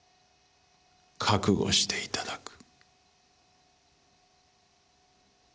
覚悟していただく。